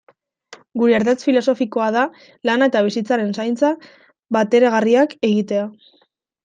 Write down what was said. Gure ardatz filosofikoa da lana eta bizitzaren zaintza bateragarriak egitea.